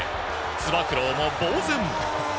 つば九郎もぼうぜん。